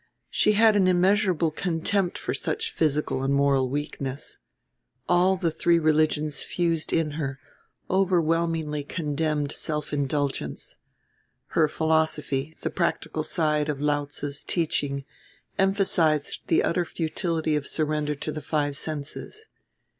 She had an immeasurable contempt for such physical and moral weakness; all the three religions fused in her overwhelmingly condemned self indulgence; her philosophy, the practical side of Lao tze's teaching, emphasized the utter futility of surrender to the five senses.